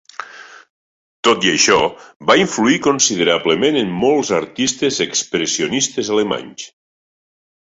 Tot i això, va influir considerablement en molts artistes expressionistes alemanys.